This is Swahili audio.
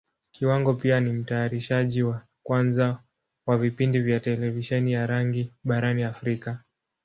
Kiwango pia ni Mtayarishaji wa kwanza wa vipindi vya Televisheni ya rangi barani Africa.